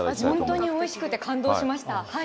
本当においしくて感動しました。